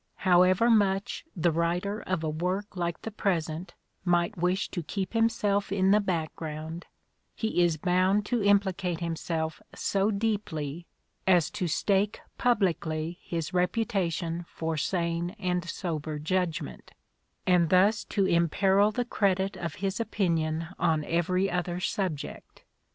However much the writer of a work like the present might wish to keep himself in the background he is bound to implicate himself so deeply as to stake publicly his reputation for sane and sober judgment, and thus to imperil the credit of his opinion on every other subject.